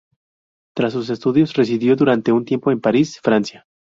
Tras sus estudios residió durante un tiempo en París, Francia.